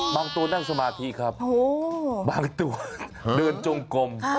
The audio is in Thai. บางตัวนั่งสมาธิครับบางตัวเดินจงกลม